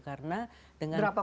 karena dengan pembelian